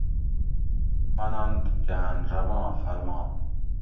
مننت گاۤن رباں فرمان